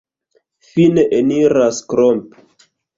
Fine eniras Klomp.